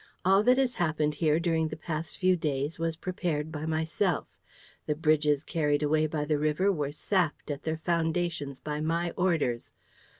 All that has happened here during the past few days was prepared by myself. The bridges carried away by the river were sapped at their foundations by my orders.